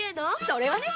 それはね！